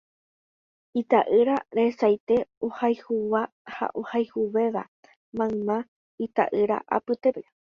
Ita'yra rasaite ohayhúva ha ohayhuvéva mayma ita'ýra apytépe.